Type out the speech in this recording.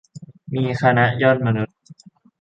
มี คณะยอดมนุษย์